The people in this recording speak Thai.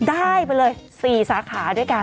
ได้ไปเลย๔สาขาด้วยกัน